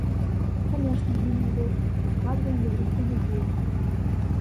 Канешне, мы на яго ўскладваем вялікія надзеі.